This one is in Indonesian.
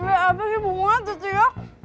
iya apa nih bunga tuh cek